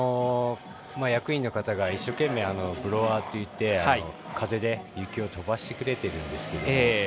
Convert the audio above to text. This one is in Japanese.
役員の方が一生懸命ブロワーといって風で雪を飛ばしてくれているんですけど。